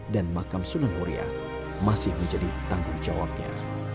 dan makam sunan muria masih menjadi tanggung jawabnya